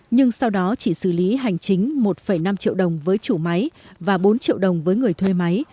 nhưng sau đó chỉ xử lý hành chính một năm triệu đồng với chủ máy và bốn triệu đồng với người thuê máy